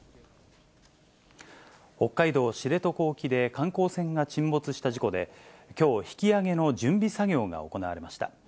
北海道知床沖で観光船が沈没した事故で、きょう、引き揚げの準備作業が行われました。